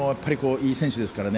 いい選手ですからね。